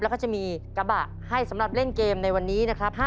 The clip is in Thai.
แล้วก็จะมีกระบะให้สำหรับเล่นเกมในวันนี้นะครับ